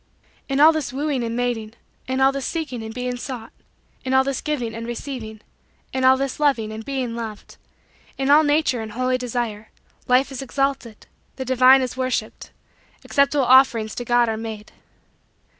In all this wooing and mating; in all this seeking and being sought; in all this giving and receiving; in all this loving and being loved; in all natural and holy desire; Life is exalted the divine is worshiped acceptable offerings to God are made.